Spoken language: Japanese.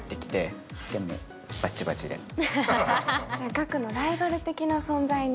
岳のライバル的な存在に？